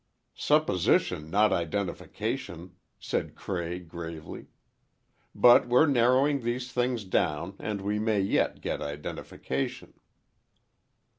"Supposition not identification," said Cray, gravely. "But we're narrowing these things down, and we may yet get identification."